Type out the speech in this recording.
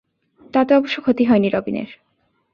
তাতে অবশ্য ক্ষতি হয়নি রবিনের।